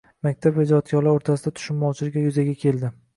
Maktab va ijodkorlar o‘rtasida tushunmovchiliklar yuzaga keldi.